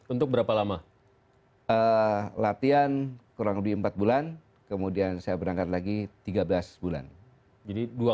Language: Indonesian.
untuk berapa lama latihan kurang lebih empat bulan kemudian saya berangkat lagi tiga belas bulan jadi dua kali tiga belas bulan jadi dua x tiga belas bulan